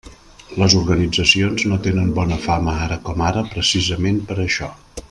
Les organitzacions no tenen bona fama ara com ara precisament per això.